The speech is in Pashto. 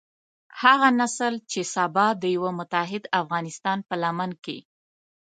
هغه نسل چې سبا د يوه متحد افغانستان په لمن کې.